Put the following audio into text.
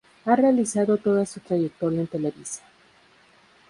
Ha realizado toda su trayectoria en Televisa.